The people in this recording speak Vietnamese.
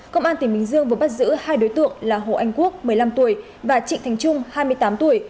công an tỉnh bình dương vừa bắt giữ hai đối tượng là hồ anh quốc một mươi năm tuổi và trịnh thành trung hai mươi tám tuổi